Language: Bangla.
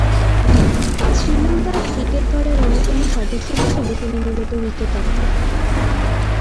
শ্রীলঙ্কা ক্রিকেট দলের অন্যতম সদস্য হিসেবে তিনি মূলতঃ উইকেট-রক্ষক।